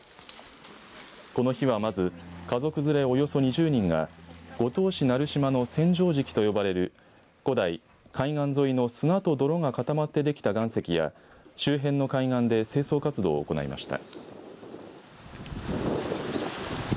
この日はまず家族連れおよそ２０人が五島市奈留島の千畳敷と呼ばれる古代海岸沿いの砂と泥が固まってできた岩石や周辺の海岸で清掃活動を行いました。